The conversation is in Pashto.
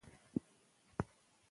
که اصلاح نه وي نو ستونزه پیدا کېږي.